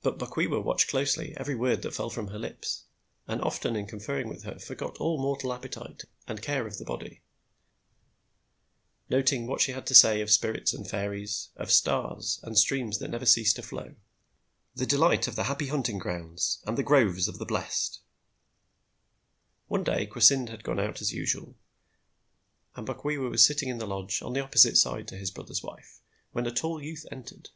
But Bokwewa watched closely every word that fell from her lips, and often in conferring with her, forgot all mortal appetite and care of the body, noting what she had to say of spirits and fairies, of stars, and streams that never ceased to flow, the delight of the happy hunting grounds, and the groves of the blessed. One day Kwasynd had gone out as usual, and Bokwewa was sitting in the lodge on the opposite side to his brother's wife, when a tall youth entered.